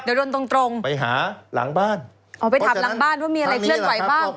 เดี๋ยวโดนตรงตรงไปหาหลังบ้านอ๋อไปถามหลังบ้านว่ามีอะไรเคลื่อนไหวบ้าง